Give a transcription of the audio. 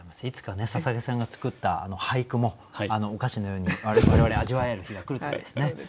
いつか捧さんが作った俳句もお菓子のように我々味わえる日が来るといいですね。